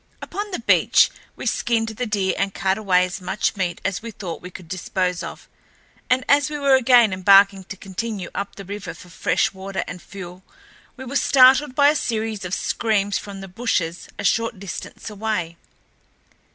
Upon the beach, we skinned the deer and cut away as much meat as we thought we could dispose of, and as we were again embarking to continue up the river for fresh water and fuel, we were startled by a series of screams from the bushes a short distance away.